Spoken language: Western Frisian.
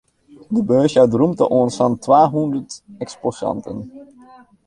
De beurs jout rûmte oan sa'n twahûndert eksposanten.